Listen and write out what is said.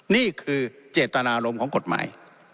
นี่คือเจตนารมณ์ของกฎหมาย